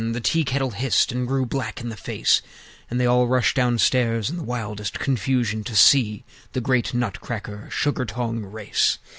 The Tea kettle hissed, and grew black in the face; And they all rushed downstairs in the wildest confusion To see the great Nutcracker Sugar tong race.